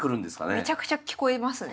めちゃくちゃ聞こえますね。